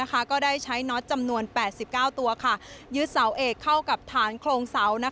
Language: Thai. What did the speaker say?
ก็ได้ใช้น็อตจำนวน๘๙ตัวยึดเสาเอกเข้ากับฐานโครงเสา